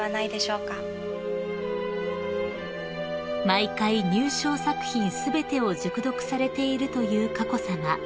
［毎回入賞作品全てを熟読されているという佳子さま］